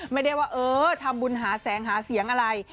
ไม่ได้ว่าเออทำบุญหาแสงหาเสียงอะไร